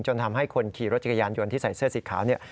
ทำให้คนขี่รถจักรยานยนต์ที่ใส่เสื้อสีขาวเนี่ย